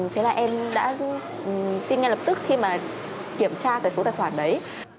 thế là em đã tin ngay lập tức khi mà kiểm tra cái số tài khoản đấy